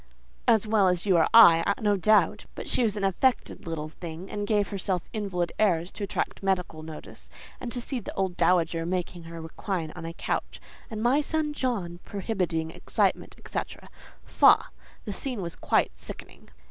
"As well as you or I, no doubt; but she is an affected little thing, and gave herself invalid airs to attract medical notice. And to see the old dowager making her recline on a couch, and 'my son John' prohibiting excitement, etcetera—faugh! the scene was quite sickening."